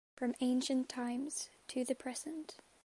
From ancient times to the present.